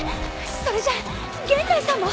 それじゃ源内さんも！？